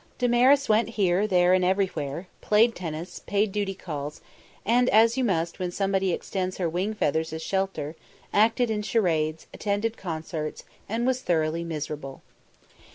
Damaris went here, there and everywhere; played tennis; paid duty calls, as you must when somebody extends her wing feathers as shelter; acted in charades; attended concerts; and was thoroughly miserable.